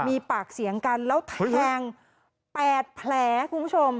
มีปากเสียงกันแล้วแทง๘แผลคุณผู้ชม